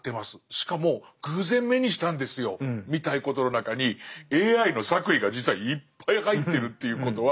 しかも偶然目にしたんですよみたいなことの中にＡＩの作為が実はいっぱい入ってるっていうことは。